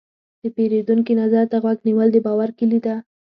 د پیرودونکي نظر ته غوږ نیول، د باور کلي ده.